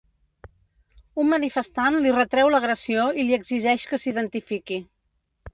Un manifestant li retreu l’agressió i li exigeix que s’identifiqui.